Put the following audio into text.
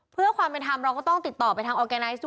เพื่อความเป็นธรรมเราก็ต้องติดต่อไปทางออร์แกไนซ์